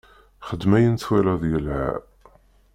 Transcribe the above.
Xdem ayen twalaḍ yelha.